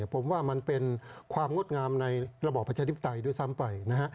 ผมว่ามันเป็นความงดงามในระบอบประชาธิปไตยด้วยซ้ำไปนะฮะ